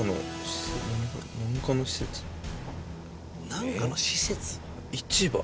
何かの施設？